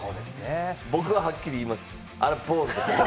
僕ははっきり言います、あれはボールです。